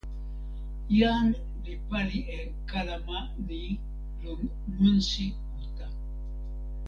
jan li pali e kalama ni lon monsi uta.